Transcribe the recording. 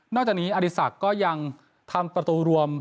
นอกจากนี้อดิสักก็ยังทำประตูรวม